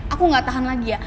aku gak tahan lagi ya